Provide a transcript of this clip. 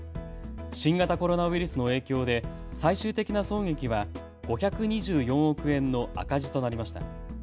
新型コロナウイルスの影響で最終的な損益は５２４億円の赤字となりました。